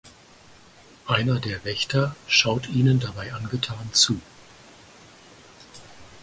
Einer der Wächter schaut ihnen dabei angetan zu.